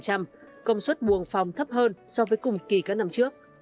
công suất buồng phòng thấp hơn so với cùng kỳ các năm trước